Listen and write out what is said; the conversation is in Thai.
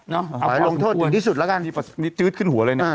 เนาะเอาของลงโทษดึงที่สุดแล้วกันนี่นี่จื๊ดขึ้นหัวเลยน่ะอ่า